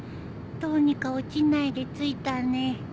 どうにか落ちないで着いたね。